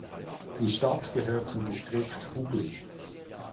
Die Stadt gehört zum Distrikt Hugli.